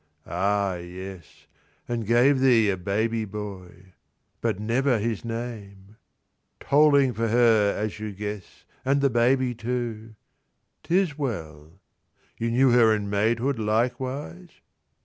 Ah, yes; and gave thee a baby boy, But never his name ... —Tolling for her, as you guess; And the baby too ... 'Tis well. You knew her in maidhood likewise?